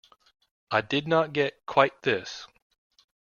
I did not get quite this.